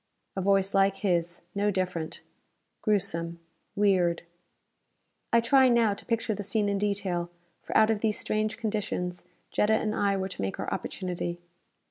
A voice like his: no different. Gruesome. Weird. I try now to picture the scene in detail, for out of these strange conditions Jetta and I were to make our opportunity.